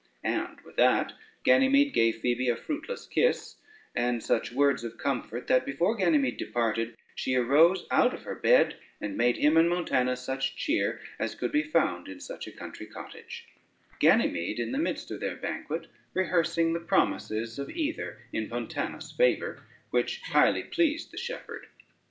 And with that Ganymede gave Phoebe a fruitless kiss, and such words of comfort, that before Ganymede departed she arose out of her bed, and made him and Montanus such cheer, as could be found in such a country cottage; Ganymede in the midst of their banquet rehearsing the promises of either in Montanus' favor, which highly pleased the shepherd.